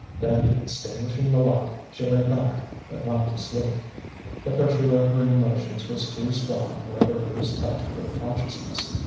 Then extinguishing the light, she lay back, but not to sleep. The pressure of her emotions was too strong to let her lose touch with consciousness.